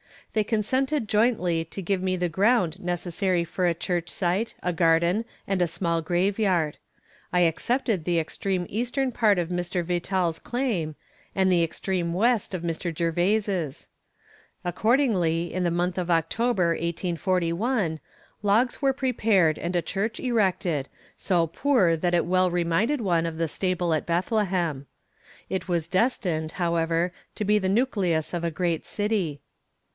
They consented jointly to give me the ground necessary for a church site, a garden and a small graveyard. I accepted the extreme eastern part of Mr. Vetal's claim, and the extreme west of Mr. Gervais'. Accordingly, in the month of October, 1841, logs were prepared and a church erected, so poor that it well reminded one of the stable of Bethlehem. It was destined, however, to be the nucleus of a great city.